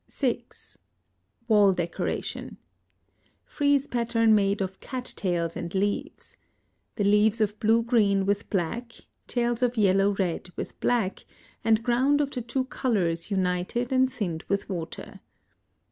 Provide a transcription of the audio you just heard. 6. Wall decoration. Frieze pattern made of cat tails and leaves, the leaves of blue green with black, tails of yellow red with black, and ground of the two colors united and thinned with water.